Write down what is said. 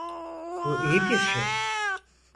Bu iyi bir şey.